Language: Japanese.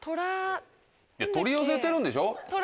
取り寄せてるんでしょ？